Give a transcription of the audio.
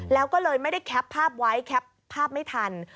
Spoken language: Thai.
แล้วก็เลยไม่ได้แคปภาพไว้แคปภาพไม่ทัน